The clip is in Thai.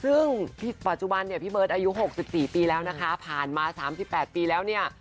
ซึ่งปัจจุบันเนี่ยพี่เบิร์ตอายุ๖๔ปีแล้วนะคะผ่านมา๓๘ปีแล้วเนี่ย